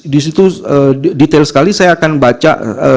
di situ detail sekali saya akan baca